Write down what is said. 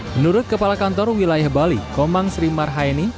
menurut kepala kantor wilayah bali komang sri marhaini